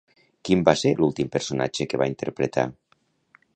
Quin va ser l'últim personatge que va interpretar?